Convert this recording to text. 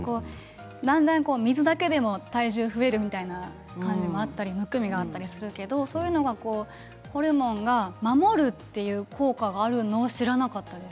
だんだん水だけでも体重が増えるみたいな感じもあったりむくみがあったりするけどそういうのがホルモンが守るという効果があるのを知らなかったです。